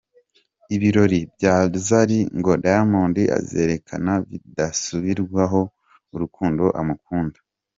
Ibirori bya Zari ngo Diamond azerekana bidasubirwaho urukundo amukunda.